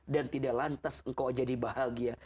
dan tidak lantas engkau jadi bahagia